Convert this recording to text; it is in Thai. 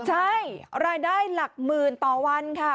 ใช่รายได้หลักหมื่นต่อวันค่ะ